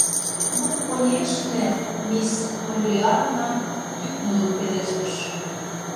— Ну... конешне, — мисс Поллианна тӱкнылын пелештыш.